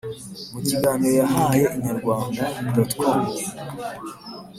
Mu kiganiro yahaye Inyarwanda.com,